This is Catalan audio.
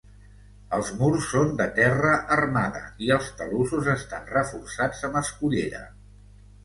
Els murs són de terra armada i els talussos estan reforçats amb escullera.